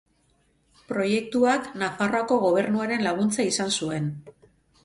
Proiektuak Nafarroako Gobernuaren laguntza izan zuen.